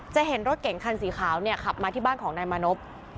จะเห็นรถเก่งคันสีขาวเนี่ยขับมาที่บ้านของนายมานพ